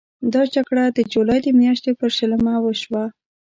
دا جګړه د جولای د میاشتې پر شلمه وشوه.